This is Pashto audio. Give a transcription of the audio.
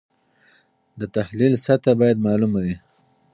د تحلیل سطحه باید معلومه وي.